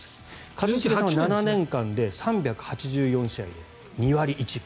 一茂さんは７年間で３８４試合で２割１分。